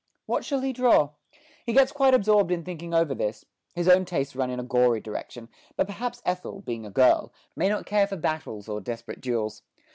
What shall he draw? He gets quite absorbed in thinking over this; his own tastes run in a gory direction, but perhaps Ethel, being a girl, may not care for battles or desperate duels.